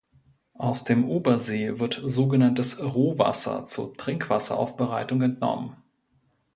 Aus dem Obersee wird sogenanntes Rohwasser zur Trinkwasseraufbereitung entnommen.